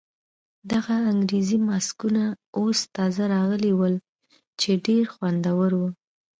دغه انګریزي ماسکونه اوس تازه راغلي ول چې ډېر خوندور وو.